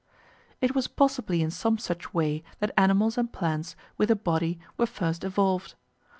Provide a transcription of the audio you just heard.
It was possibly in some such way that animals and plants with a body were first evolved.